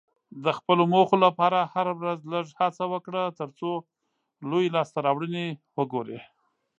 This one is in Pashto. د خپلو موخو لپاره هره ورځ لږه هڅه وکړه، ترڅو لویې لاسته راوړنې وګورې.